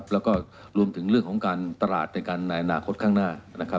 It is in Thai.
แล้วก็รวมถึงเรื่องของการตลาดในการในอนาคตข้างหน้า